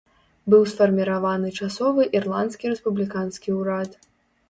Быў сфарміраваны часовы ірландскі рэспубліканскі ўрад.